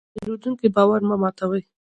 د پیرودونکي باور مه ماتوه.